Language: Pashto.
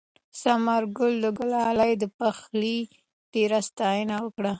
ثمرګل د ګلالۍ د پخلي ډېره ستاینه وکړه.